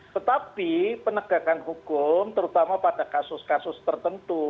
tetapi penegakan hukum terutama pada kasus kasus tertentu